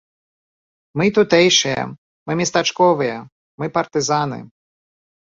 Мы тутэйшыя, мы местачковыя, мы партызаны.